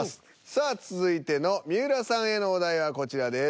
さあ続いての三浦さんへのお題はこちらです。